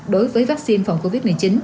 đối với vaccine phòng covid một mươi chín